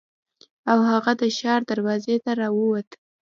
او هغه د ښار دروازې ته راووت.